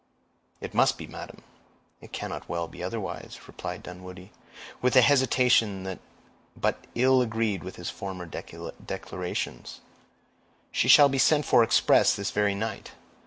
"It must be, madam; it cannot well be otherwise," replied Dunwoodie, with a hesitation that but ill agreed with his former declarations. "She shall be sent for express this very night."